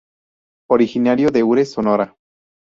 Originario de Ures, Sonora.